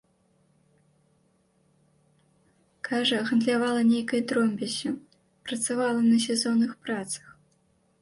Кажа, гандлявала нейкай дробяззю, працавала на сезонных працах.